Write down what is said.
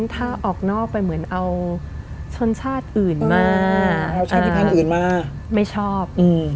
ถ้าออกนอกเป็นเหมือนเอาชนชาติอื่นมาเอาชนชาติอื่นมาไม่ชอบอืม